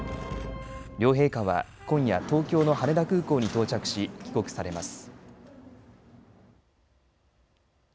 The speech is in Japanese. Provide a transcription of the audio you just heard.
両陛下は今夜、東京の羽田空港に到着し帰国されます。